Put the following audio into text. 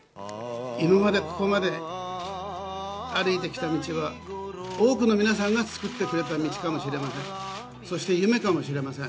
今まで、ここまで歩いてきた道は、多くの皆さんが作ってくれた道かもしれません。